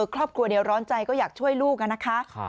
ครอบครัวเดี๋ยวร้อนใจก็อยากช่วยลูก